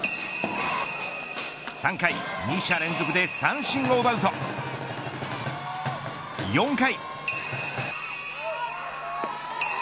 ３回、２者連続で三振を奪うと４回。